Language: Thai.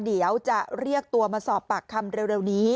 เดี๋ยวจะเรียกตัวมาสอบปากคำเร็วนี้